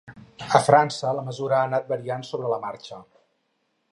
A França la mesura ha anat variant sobre la marxa.